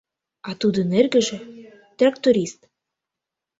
А тудын эргыже — тракторист.